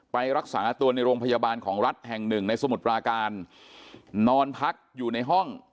ไปรักษาตัวในโรงพยาบาลของรัฐแห่งหนึ่งในสมุทรปราการนอนพักอยู่ในห้อง